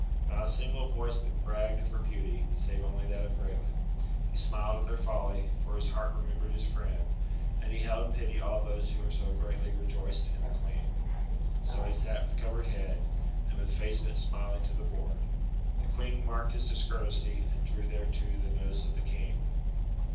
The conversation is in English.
Not a single voice but bragged of her beauty, save only that of Graelent. He smiled at their folly, for his heart remembered his friend, and he held in pity all those who so greatly rejoiced in the Queen. So he sat with covered head, and with face bent smiling to the board. The Queen marked his discourtesy, and drew thereto the notice of the King.